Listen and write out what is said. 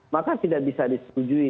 maka tidak bisa disetujui